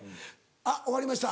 「あっ終わりました」